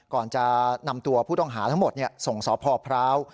ก่อนจะนำตัวผู้ต้องหาทั้งหมดส่งสพพร้าว